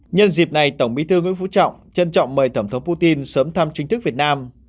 nhân dịp này tổng bí thư nguyễn phú trọng trân trọng mời tổng thống putin sớm thăm chính thức việt nam